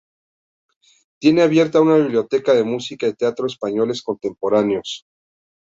Tiene abierta una biblioteca de música y teatro españoles contemporáneos.